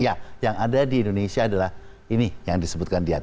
ya yang ada di indonesia adalah ini yang disebutkan dia